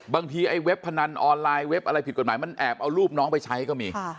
ไอ้เว็บพนันออนไลน์เว็บอะไรผิดกฎหมายมันแอบเอารูปน้องไปใช้ก็มี